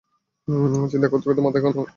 চিন্তা করতে করতে মাথা নাই হওয়ার অবস্থা।